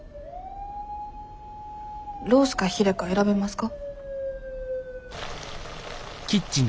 ロースかヒレか選べますか？